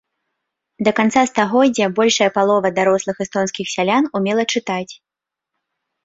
Да канца стагоддзя большая палова дарослых эстонскіх сялян умела чытаць.